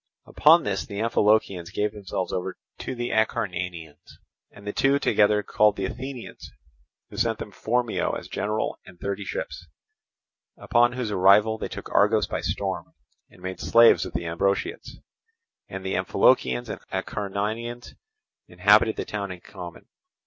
Upon this the Amphilochians gave themselves over to the Acarnanians; and the two together called the Athenians, who sent them Phormio as general and thirty ships; upon whose arrival they took Argos by storm, and made slaves of the Ambraciots; and the Amphilochians and Acarnanians inhabited the town in common.